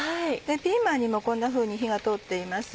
ピーマンにもこんなふうに火が通っています。